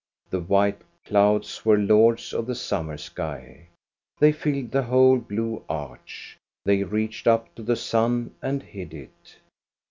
The white clouds were lords of the summer sky. They filled the whole blue arch. They reached up to the sun and hid it.